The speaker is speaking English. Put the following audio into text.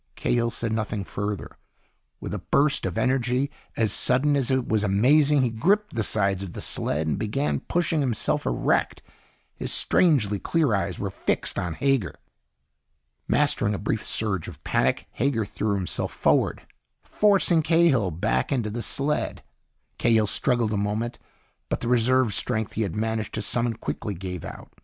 Cahill said nothing further. With a burst of energy as sudden as it was amazing, he gripped the sides of the sled and began pushing himself erect. His strangely clear eyes were fixed on Hager. Mastering a brief surge of panic, Hager threw himself forward, forcing Cahill back into the sled. Cahill struggled a moment, but the reserve strength he had managed to summon quickly gave out.